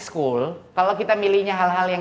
sekolah kalau kita memilih hal hal yang